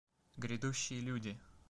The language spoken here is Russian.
Грядущие люди!